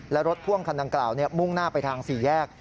และรถพ่วงคันดังกล่าวมุ่งหน้าไปทาง๔แยก